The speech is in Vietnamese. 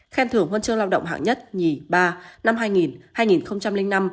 khen thưởng huân chương lao động hạng một hai ba năm hai nghìn hai nghìn năm hai nghìn một mươi hai nghìn một mươi bảy